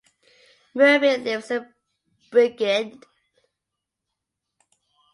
Murphy lives in Bridgend.